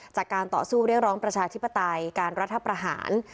จากการต่อสู้เรียกร้องประชาธิปไตยการรัฐประหาร